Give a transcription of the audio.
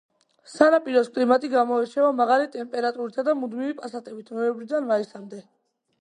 სანაპიროს კლიმატი გამოირჩევა მაღალი ტემპერატურითა და მუდმივი პასატებით ნოემბრიდან მაისამდე.